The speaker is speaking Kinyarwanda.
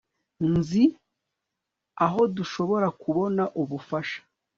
nzi aho dushobora kubona ubufasha